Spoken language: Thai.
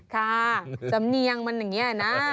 ค่ะสำเนียงมันอย่างนี้นะ